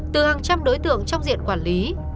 từ hàng trăm đối tượng trong diện quản lý